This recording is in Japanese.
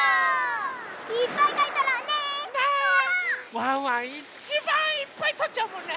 ワンワンいっちばんいっぱいとっちゃうもんね。